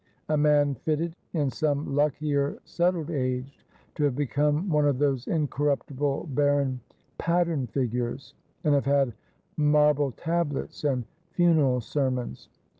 A man fitted, in some luckier settled age, to have become one of those incorruptible barren Pattern Figures, and have had marble tablets and funeral sermons.